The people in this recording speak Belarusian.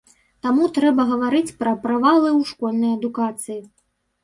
Таму трэба гаварыць пра правалы ў школьнай адукацыі.